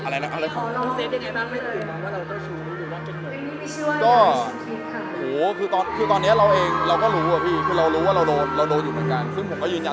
แล้วเมื่อนั้นวันนี้เป็นนักแสดงความคิดว่าเป็นเรื่องอะไรบ้างครับตอนนี้ก็ยังไม่ได้เลยครับ